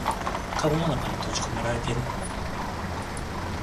かごの中に閉じこめられてる